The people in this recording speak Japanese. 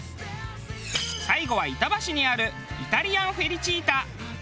最後は板橋にあるイタリアンフェリチータ。